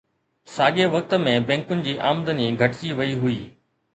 ساڳئي وقت ۾، بينڪن جي آمدني گهٽجي وئي هئي